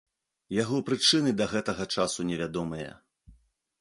Яго прычыны да гэтага часу невядомыя.